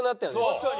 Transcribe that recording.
確かに。